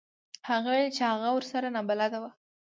هغې وویل چې هغه ورسره نابلده و.